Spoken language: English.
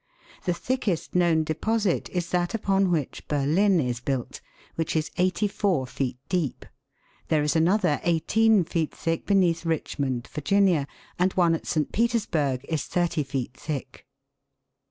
The thickest known deposit is that upon which Berlin is built, which is eighty four feet deep ; there is another eighteen feet thick beneath Richmond (Virginia) ; and one at St. Petersburg is thirty feet thick.